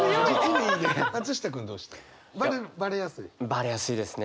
バレやすいですね。